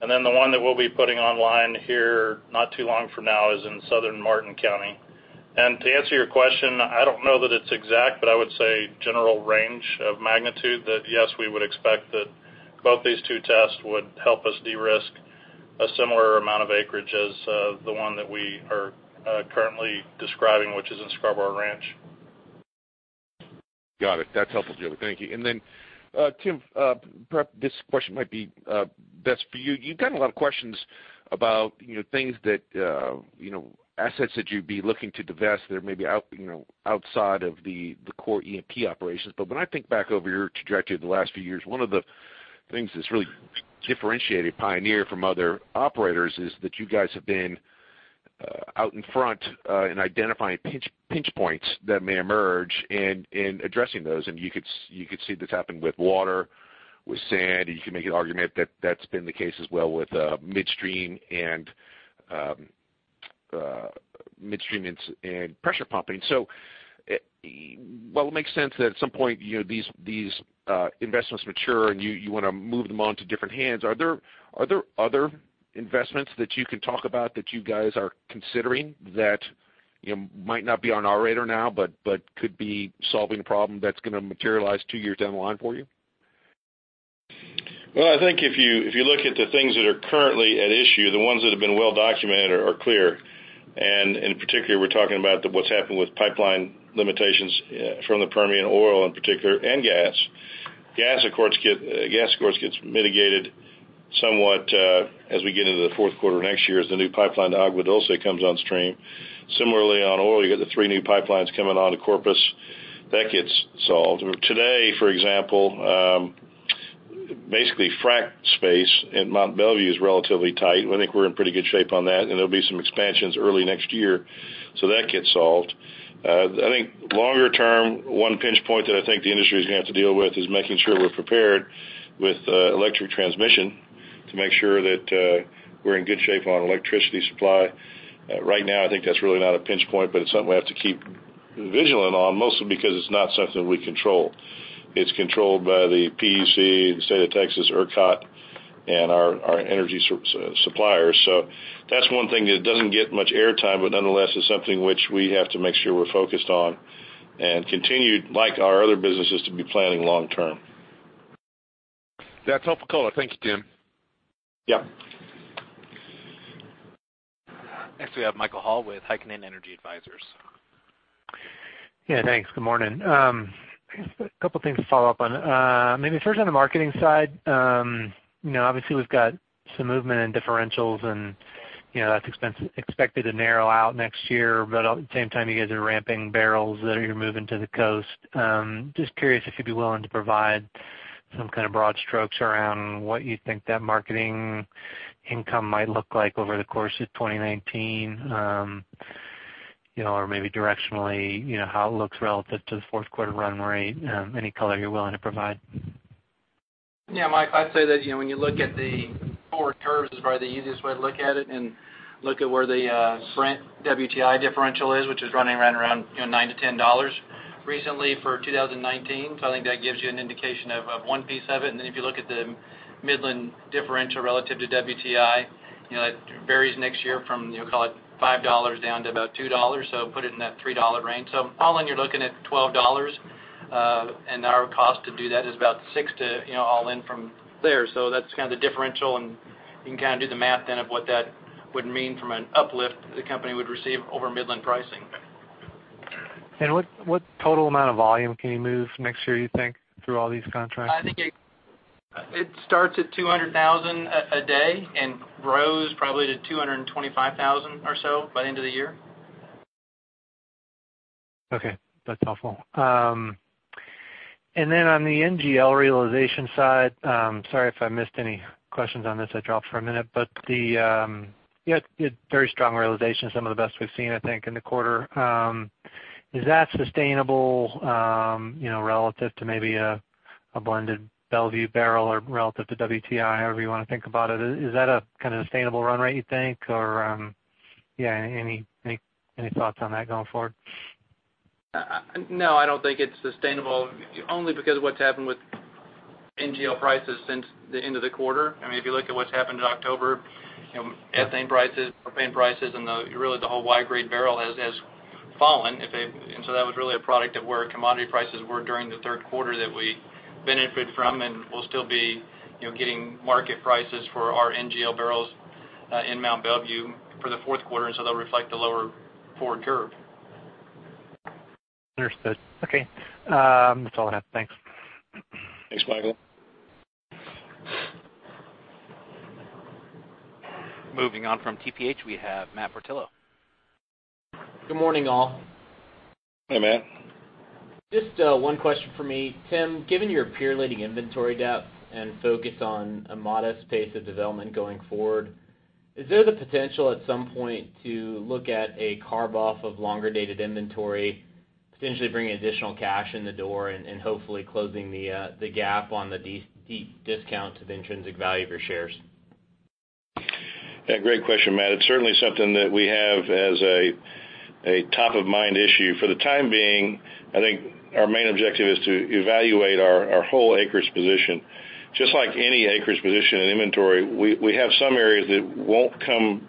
The one that we'll be putting online here not too long from now is in southern Martin County. To answer your question, I don't know that it's exact, but I would say general range of magnitude that yes, we would expect that both these two tests would help us de-risk a similar amount of acreage as the one that we are currently describing, which is in Scarborough Ranch. Got it. That's helpful, Joey. Thank you. Tim, perhaps this question might be best for you. You've gotten a lot of questions about assets that you'd be looking to divest that are maybe outside of the core E&P operations. When I think back over your trajectory of the last few years, one of the things that's really differentiated Pioneer from other operators is that you guys have been out in front in identifying pinch points that may emerge and addressing those. You could see this happen with water, with sand, you can make an argument that that's been the case as well with midstream and pressure pumping. While it makes sense that at some point these investments mature and you want to move them on to different hands, are there other investments that you can talk about that you guys are considering that might not be on our radar now, but could be solving a problem that's going to materialize two years down the line for you? Well, I think if you look at the things that are currently at issue, the ones that have been well documented are clear, and in particular, we're talking about what's happened with pipeline limitations from the Permian oil in particular, and gas. Gas, of course, gets mitigated somewhat as we get into the fourth quarter next year as the new pipeline to Agua Dulce comes on stream. Similarly, on oil, you got the three new pipelines coming on to Corpus. That gets solved. Today, for example, basically frac space in Mont Belvieu is relatively tight. I think we're in pretty good shape on that, and there'll be some expansions early next year. That gets solved. I think longer term, one pinch point that I think the industry is going to have to deal with is making sure we're prepared with electric transmission to make sure that we're in good shape on electricity supply. Right now, I think that's really not a pinch point, but it's something we have to keep vigilant on, mostly because it's not something we control. It's controlled by the PUC, the State of Texas, ERCOT, and our energy suppliers. That's one thing that doesn't get much air time, but nonetheless, is something which we have to make sure we're focused on and continue, like our other businesses, to be planning long term. That's helpful color. Thank you, Tim. Yeah. Next we have Michael Hall with Heikkinen Energy Advisors. Thanks. Good morning. A couple things to follow up on. Maybe first on the marketing side. Obviously we've got some movement in differentials, and that's expected to narrow out next year, but at the same time, you guys are ramping barrels that you're moving to the coast. Just curious if you'd be willing to provide some kind of broad strokes around what you think that marketing income might look like over the course of 2019, or maybe directionally, how it looks relative to the fourth quarter run rate. Any color you're willing to provide? Mike, I'd say that when you look at the forward curves is probably the easiest way to look at it and look at where the Brent WTI differential is, which is running right around $9-$10 recently for 2019. I think that gives you an indication of one piece of it, then if you look at the Midland differential relative to WTI, it varies next year from, call it $5 down to about $2. Put it in that $3 range. All in, you're looking at $12, and our cost to do that is about $6 all in from there. That's the differential, and you can do the math then of what that would mean from an uplift the company would receive over Midland pricing. What total amount of volume can you move next year, you think, through all these contracts? I think it starts at 200,000 a day and grows probably to 225,000 or so by the end of the year. Okay. That's helpful. On the NGL realization side, sorry if I missed any questions on this, I dropped for a minute, you had very strong realization, some of the best we've seen, I think, in the quarter. Is that sustainable relative to maybe a blended Belvieu barrel or relative to WTI, however you want to think about it? Is that a sustainable run rate, you think, or any thoughts on that going forward? No, I don't think it's sustainable, only because of what's happened with NGL prices since the end of the quarter. If you look at what's happened in October, ethane prices, propane prices, and really the whole Y-grade barrel has fallen. That was really a product of where commodity prices were during the third quarter that we benefit from and will still be getting market prices for our NGL barrels in Mont Belvieu for the fourth quarter, they'll reflect the lower forward curve. Understood. Okay. That's all I have. Thanks. Thanks, Michael. Moving on from TPH, we have Matt Portillo. Good morning, all. Hey, Matt. Just one question from me. Tim, given your peer-leading inventory depth and focus on a modest pace of development going forward, is there the potential at some point to look at a carve-off of longer-dated inventory, potentially bringing additional cash in the door and hopefully closing the gap on the deep discount to the intrinsic value of your shares? Yeah, great question, Matt. It's certainly something that we have as a top-of-mind issue. For the time being, I think our main objective is to evaluate our whole acreage position. Just like any acreage position in inventory, we have some areas that won't come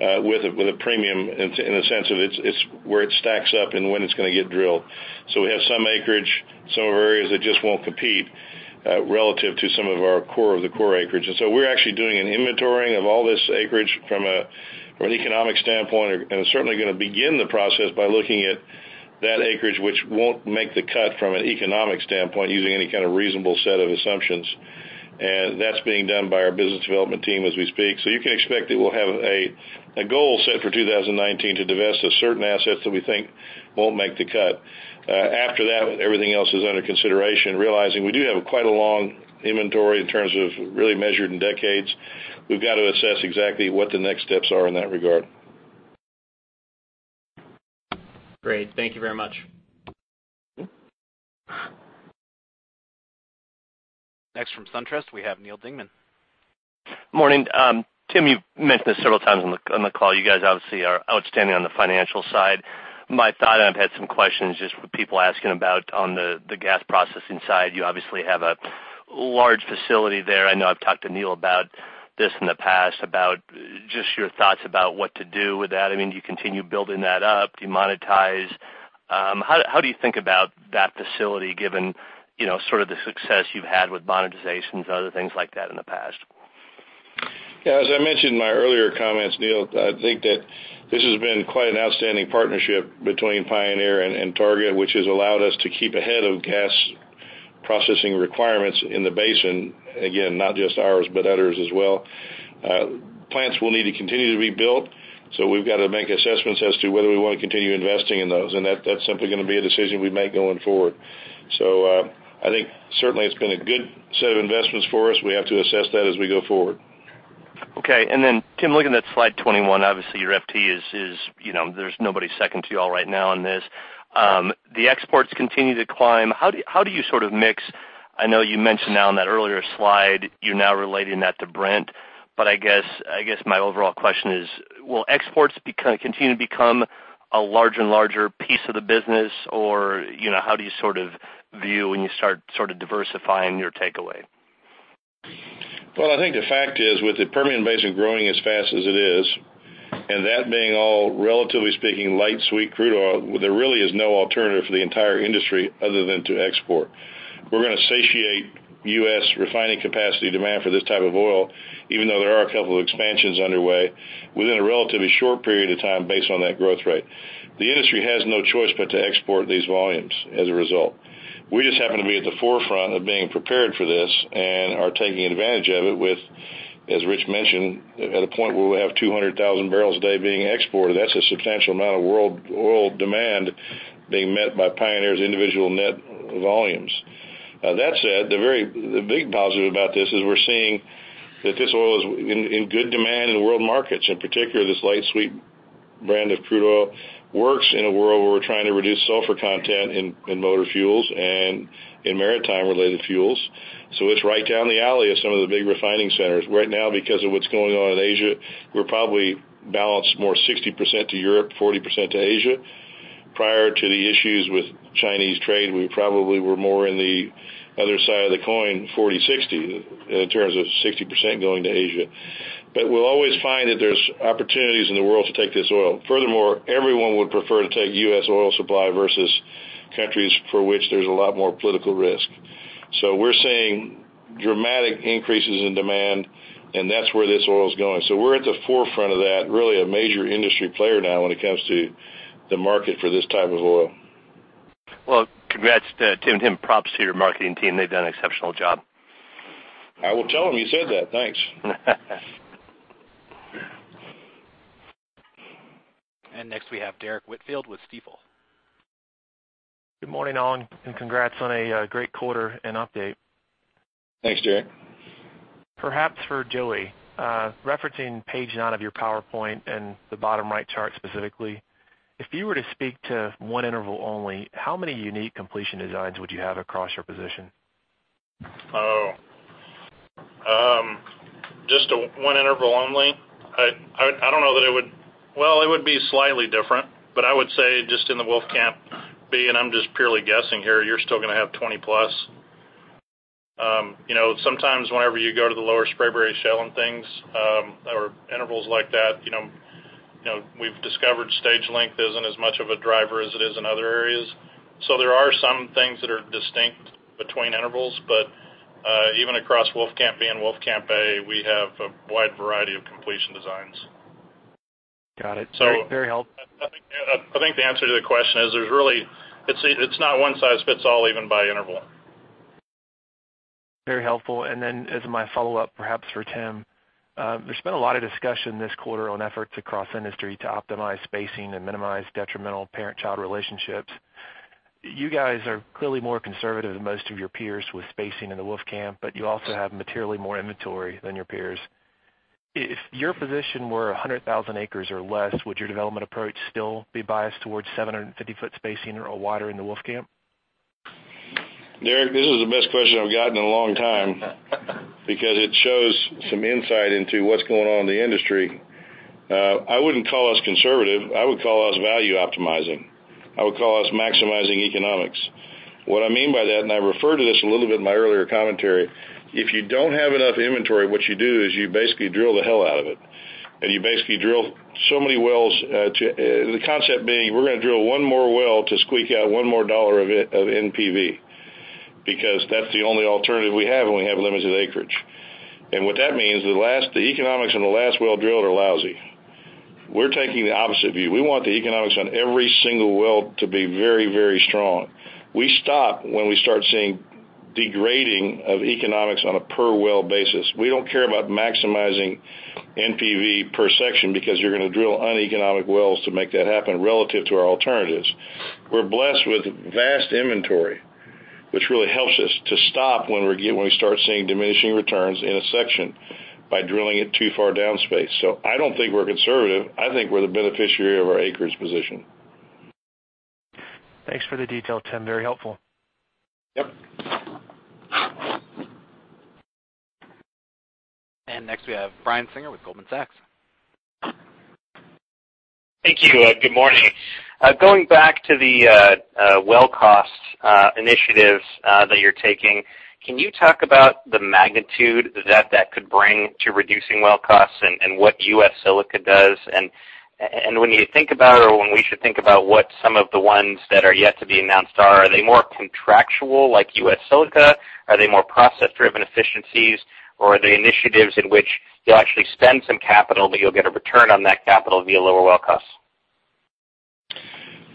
with a premium in the sense of where it stacks up and when it's going to get drilled. We have some acreage, some of our areas that just won't compete relative to some of our core of the core acreage. We're actually doing an inventorying of all this acreage from an economic standpoint, and certainly going to begin the process by looking at that acreage, which won't make the cut from an economic standpoint using any kind of reasonable set of assumptions. That's being done by our business development team as we speak. You can expect that we'll have a goal set for 2019 to divest of certain assets that we think won't make the cut. After that, everything else is under consideration, realizing we do have quite a long inventory in terms of really measured in decades. We've got to assess exactly what the next steps are in that regard. Great. Thank you very much. Next from SunTrust, we have Neal Dingmann. Morning. Tim, you've mentioned this several times on the call. You guys obviously are outstanding on the financial side. My thought, and I've had some questions just with people asking about on the gas processing side, you obviously have a large facility there. I know I've talked to Neal about this in the past, about just your thoughts about what to do with that. Do you continue building that up? Do you monetize? How do you think about that facility given the success you've had with monetizations and other things like that in the past? Yeah, as I mentioned in my earlier comments, Neal, I think that this has been quite an outstanding partnership between Pioneer and Targa, which has allowed us to keep ahead of gas processing requirements in the basin. Again, not just ours, but others as well. Plants will need to continue to be built. We've got to make assessments as to whether we want to continue investing in those. That's simply going to be a decision we make going forward. I think certainly it's been a good set of investments for us. We have to assess that as we go forward. Okay. Tim, looking at slide 21, obviously your FT, there's nobody second to you all right now on this. Exports continue to climb. How do you sort of mix-- I know you mentioned now on that earlier slide, you're now relating that to Brent, I guess my overall question is, will exports continue to become a larger and larger piece of the business? How do you view when you start diversifying your takeaway? I think the fact is, with the Permian Basin growing as fast as it is, that being all, relatively speaking, light sweet crude oil, there really is no alternative for the entire industry other than to export. We're going to satiate U.S. refining capacity demand for this type of oil, even though there are a couple of expansions underway, within a relatively short period of time based on that growth rate. The industry has no choice but to export these volumes as a result. We just happen to be at the forefront of being prepared for this and are taking advantage of it with, as Rich mentioned, at a point where we have 200,000 barrels a day being exported. That's a substantial amount of world oil demand being met by Pioneer's individual net volumes. That said, the big positive about this is we're seeing that this oil is in good demand in world markets. In particular, this light sweet brand of crude oil works in a world where we're trying to reduce sulfur content in motor fuels and in maritime-related fuels. It's right down the alley of some of the big refining centers. Right now, because of what's going on in Asia, we're probably balanced more 60% to Europe, 40% to Asia. Prior to the issues with Chinese trade, we probably were more in the other side of the coin, 40/60, in terms of 60% going to Asia. We'll always find that there's opportunities in the world to take this oil. Furthermore, everyone would prefer to take U.S. oil supply versus countries for which there's a lot more political risk. We're seeing dramatic increases in demand, that's where this oil's going. We're at the forefront of that, really a major industry player now when it comes to the market for this type of oil. Well, congrats to Tim and props to your marketing team. They've done an exceptional job. I will tell them you said that. Thanks. Next we have Derrick Whitfield with Stifel. Good morning, all, congrats on a great quarter and update. Thanks, Derrick. Perhaps for Joey, referencing page nine of your PowerPoint and the bottom right chart specifically, if you were to speak to one interval only, how many unique completion designs would you have across your position? Just one interval only? I don't know that it would be slightly different, but I would say just in the Wolfcamp B, and I'm just purely guessing here, you're still going to have 20 plus. Sometimes whenever you go to the Lower Spraberry shale and things, or intervals like that, we've discovered stage length isn't as much of a driver as it is in other areas. There are some things that are distinct between intervals, but even across Wolfcamp B and Wolfcamp A, we have a wide variety of completion designs. Got it. Very helpful. I think the answer to the question is it's not one size fits all, even by interval. Very helpful, as my follow-up, perhaps for Tim. There's been a lot of discussion this quarter on efforts across industry to optimize spacing and minimize detrimental parent-child relationships. You guys are clearly more conservative than most of your peers with spacing in the Wolfcamp, but you also have materially more inventory than your peers. If your position were 100,000 acres or less, would your development approach still be biased towards 750 foot spacing or wider in the Wolfcamp? Derrick, this is the best question I've gotten in a long time, because it shows some insight into what's going on in the industry. I wouldn't call us conservative. I would call us value optimizing. I would call us maximizing economics. What I mean by that, and I referred to this a little bit in my earlier commentary, if you don't have enough inventory, what you do is you basically drill the hell out of it, and you basically drill so many wells. The concept being, we're going to drill one more well to squeak out one more dollar of NPV, because that's the only alternative we have when we have limited acreage. What that means, the economics on the last well drilled are lousy. We're taking the opposite view. We want the economics on every single well to be very strong. We stop when we start seeing degrading of economics on a per well basis. We don't care about maximizing NPV per section because you're going to drill uneconomic wells to make that happen relative to our alternatives. We're blessed with vast inventory, which really helps us to stop when we start seeing diminishing returns in a section by drilling it too far downspaced. I don't think we're conservative. I think we're the beneficiary of our acreage position. Thanks for the detail, Tim, very helpful. Yep. Next we have Brian Singer with Goldman Sachs. Thank you. Good morning. Going back to the well cost initiatives that you're taking, can you talk about the magnitude that that could bring to reducing well costs and what U.S. Silica does and when you think about it, or when we should think about what some of the ones that are yet to be announced are? Are they more contractual like U.S. Silica? Are they more process-driven efficiencies? Are they initiatives in which you'll actually spend some capital, but you'll get a return on that capital via lower well costs?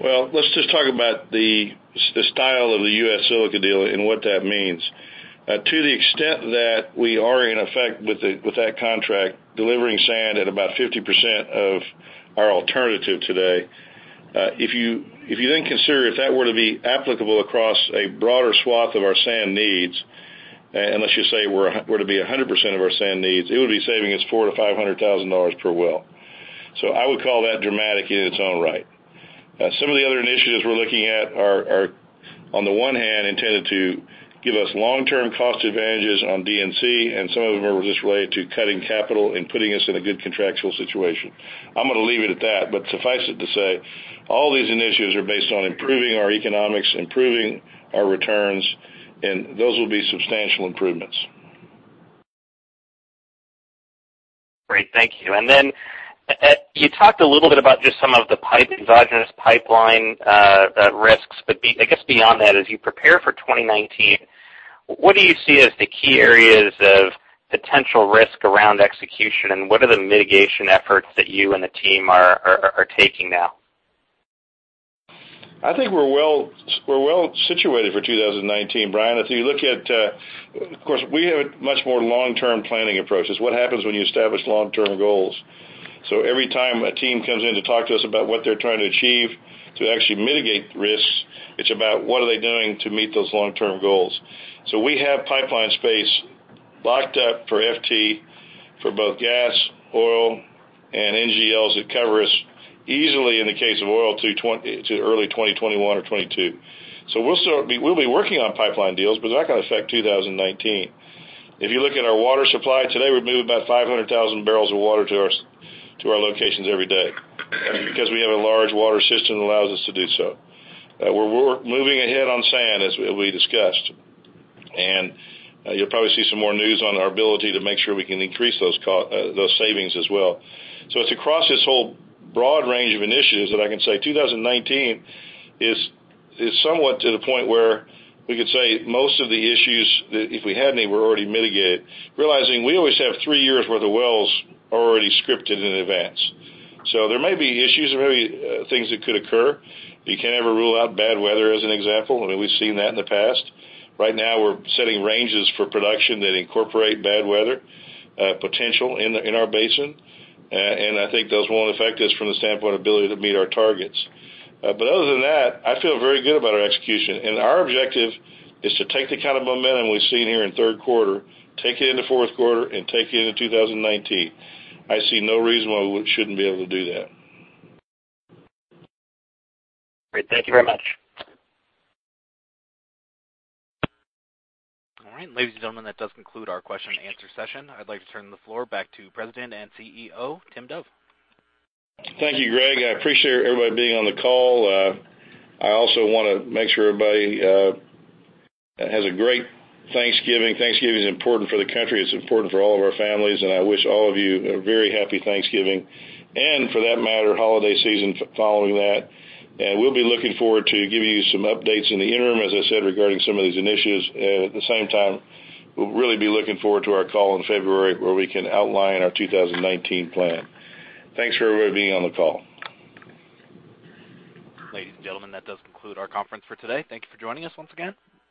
Well, let's just talk about the style of the U.S. Silica deal and what that means. To the extent that we are in effect with that contract, delivering sand at about 50% of our alternative today. If you consider, if that were to be applicable across a broader swath of our sand needs, and let's just say were to be 100% of our sand needs, it would be saving us $400,000-$500,000 per well. I would call that dramatic in its own right. Some of the other initiatives we're looking at are, on the one hand, intended to give us long-term cost advantages on D&C, and some of them are just related to cutting capital and putting us in a good contractual situation. I'm going to leave it at that, suffice it to say, all these initiatives are based on improving our economics, improving our returns, and those will be substantial improvements. Great, thank you. You talked a little bit about just some of the endogenous pipeline risks. I guess beyond that, as you prepare for 2019, what do you see as the key areas of potential risk around execution, and what are the mitigation efforts that you and the team are taking now? I think we're well situated for 2019, Brian. Of course, we have much more long-term planning approaches. What happens when you establish long-term goals? Every time a team comes in to talk to us about what they're trying to achieve to actually mitigate risks, it's about what are they doing to meet those long-term goals. We have pipeline space locked up for FT for both gas, oil, and NGLs that cover us easily in the case of oil to early 2021 or 2022. We'll be working on pipeline deals, they're not going to affect 2019. If you look at our water supply today, we move about 500,000 barrels of water to our locations every day because we have a large water system that allows us to do so. We're moving ahead on sand, as we discussed, you'll probably see some more news on our ability to make sure we can increase those savings as well. It's across this whole broad range of initiatives that I can say 2019 is somewhat to the point where we could say most of the issues, if we had any, were already mitigated, realizing we always have three years worth of wells already scripted in advance. There may be issues, there may be things that could occur. You can't ever rule out bad weather as an example. We've seen that in the past. Right now, we're setting ranges for production that incorporate bad weather potential in our basin. I think those won't affect us from the standpoint of ability to meet our targets. Other than that, I feel very good about our execution, and our objective is to take the kind of momentum we've seen here in third quarter, take it into fourth quarter and take it into 2019. I see no reason why we shouldn't be able to do that. Great. Thank you very much. Ladies and gentlemen, that does conclude our question and answer session. I'd like to turn the floor back to President and Chief Executive Officer, Tim Dove. Thank you, Greg. I appreciate everybody being on the call. I also want to make sure everybody has a great Thanksgiving. Thanksgiving is important for the country. It's important for all of our families, and I wish all of you a very happy Thanksgiving, and for that matter, holiday season following that. We'll be looking forward to giving you some updates in the interim, as I said, regarding some of these initiatives. At the same time, we'll really be looking forward to our call in February, where we can outline our 2019 plan. Thanks for everybody being on the call. Ladies and gentlemen, that does conclude our conference for today. Thank you for joining us once again.